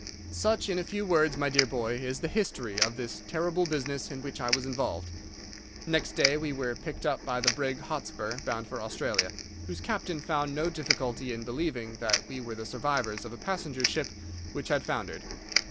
"'Such, in a few words, my dear boy, is the history of this terrible business in which I was involved. Next day we were picked up by the brig Hotspur, bound for Australia, whose captain found no difficulty in believing that we were the survivors of a passenger ship which had foundered.